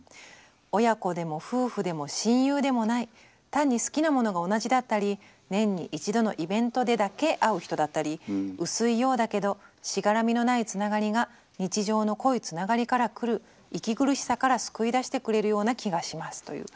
親子でも夫婦でも親友でもない単に好きなものが同じだったり年に一度のイベントでだけ会う人だったり薄いようだけどしがらみのないつながりが日常の濃いつながりからくる息苦しさから救い出してくれるような気がします」という。